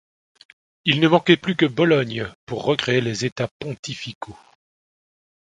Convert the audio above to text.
Il ne manquait plus que Bologne pour recréer les États pontificaux.